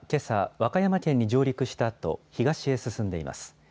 和歌山県に上陸したあと、東へ進んでいます。